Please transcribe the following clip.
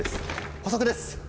補足です！